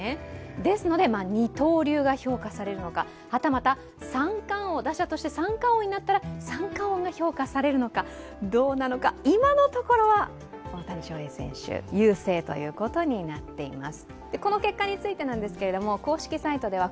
ですので、二刀流が評価されるのかはたまた打者として打者として三冠王になったら三冠王が評価されるのかどうなのか、今のところは大谷翔平選手、優勢になっています。